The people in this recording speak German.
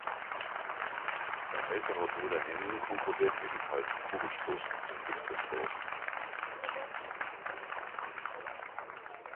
Sein älterer Bruder Henning konkurriert ebenfalls im Kugelstoßen und im Diskuswurf.